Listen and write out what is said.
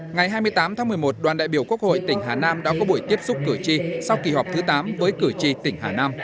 ngày hai mươi tám tháng một mươi một đoàn đại biểu quốc hội tỉnh hà nam đã có buổi tiếp xúc cử tri sau kỳ họp thứ tám với cử tri tỉnh hà nam